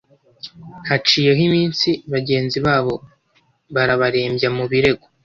haciyeho iminsi, bagenzi babo barabarembya mu birego,